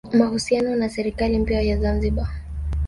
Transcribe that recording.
mahusiano na serikali mpya ya Zanzibar